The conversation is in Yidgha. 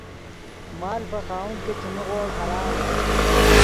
مال پے خاوند کہ چے نیغوڑ حرام